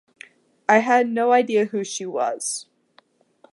I had no idea who she was.